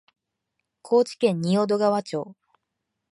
高知県仁淀川町